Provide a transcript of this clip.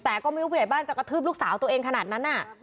แต่ก็ไม่รู้ผู้ใหญ่บ้านจะกระทืบลูกสาวตัวเองขนาดนั้น